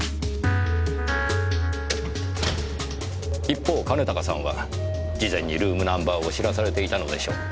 一方兼高さんは事前にルームナンバーを知らされていたのでしょう。